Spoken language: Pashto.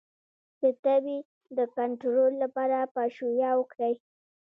د تبې د کنټرول لپاره پاشویه وکړئ